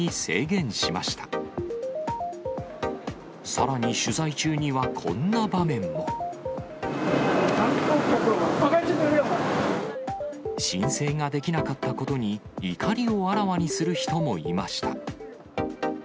観光客ばかにしてんじゃねえ申請ができなかったことに怒りをあらわにする人もいました。